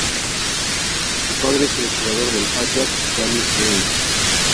Su padre es el exjugador del Ajax, Danny Blind.